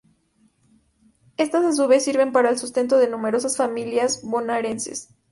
Estas a su vez sirven para el sustento de numerosas familias Bonaerenses.